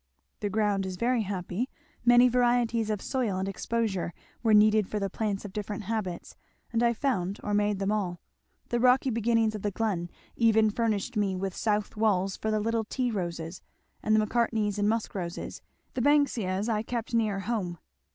"The ground is very happy many varieties of soil and exposure were needed for the plants of different habits, and I found or made them all. The rocky beginnings of the glen even furnished me with south walls for the little tea roses, and the Macartneys and Musk roses, the Banksias I kept nearer home."